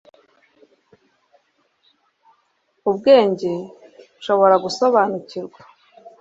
Ubwenge nshobora gusobanukirwa